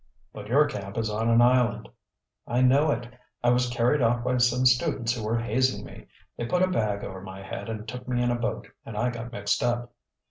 "But your camp is on an island." "I know it. I was carried off by some students who were hazing me. They put a bag over my head and took me in a boat, and I got mixed up.